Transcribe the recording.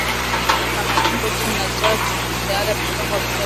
Kuna majimbo kumi na tatu ambayo tayari yamepanga miswada ya sheria